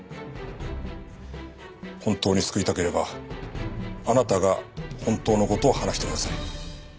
本当に救いたければあなたが本当の事を話してください。